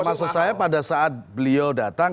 maksud saya pada saat beliau datang